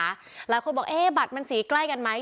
หลายคนบอกเอ๊ะบัตรมันสีใกล้กันไหม